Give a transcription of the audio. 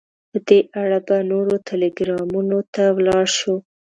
په دې اړه به نورو ټلګرامونو ته ولاړ شو.